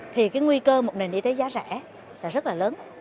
thì cái nguy cơ một nền y tế giá rẻ là rất là lớn